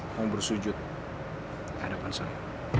mau bersujud ke depan saya